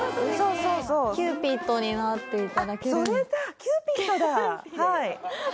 そうキューピッドになっていただけるはい